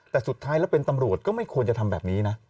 แต่สุดท้ายแล้วเป็นตำรวจก็ไม่ควรจะทำแบบนี้นะ